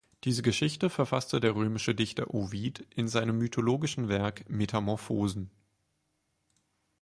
Diese Geschichte verfasste der römische Dichter Ovid in seinem mythologischen Werk "Metamorphosen".